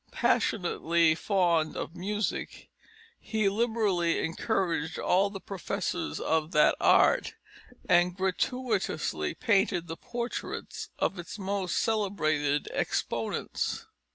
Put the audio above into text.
Passionately fond of music, he liberally encouraged all the professors of that art, and gratuitously painted the portraits of its most celebrated exponents.